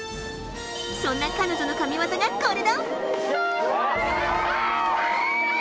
そんな彼女の神技がこれだ。